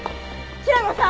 平野さん！